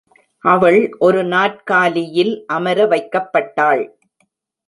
அவள் ஒரு நாற்காலியில் அமர வைக்கப்பட்டாள்.